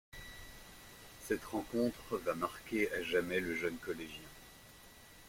Cette rencontre va marquer à jamais le jeune collégien.